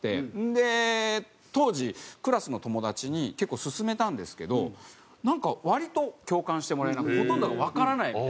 で当時クラスの友達に結構薦めたんですけどなんか割と共感してもらえなくてほとんどがわからないって。